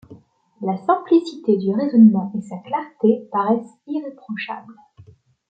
La simplicité du raisonnement et sa clarté paraissent irréprochables.